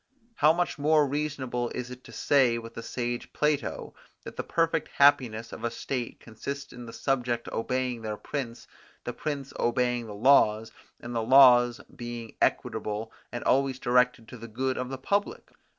How much more reasonable is it to say with the sage Plato, that the perfect happiness of a state consists in the subjects obeying their prince, the prince obeying the laws, and the laws being equitable and always directed to the good of the public?"